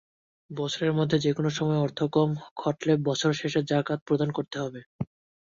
বছরের মধ্যে যেকোনো সময় অর্থাগম ঘটলে, বছর শেষে জাকাত প্রদান করতে হবে।